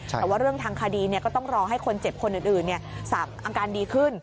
แต่ว่าเรื่องทางคดีก็ต้องรอให้คนเจ็บคนอื่นอาการดีขึ้น